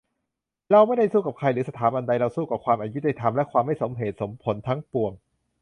"เราไม่ได้สู้กับใคร หรือสถาบันใด เราสู้กับความอยุติธรรมและความไม่สมเหตุสมผลทั้งปวง"